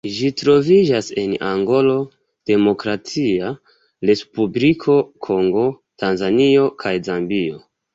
Ĝi troviĝas en Angolo, Demokratia Respubliko Kongo, Tanzanio kaj Zambio.